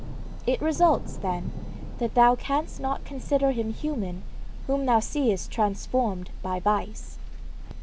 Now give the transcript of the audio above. It results, then, that thou canst not consider him human whom thou seest transformed by vice.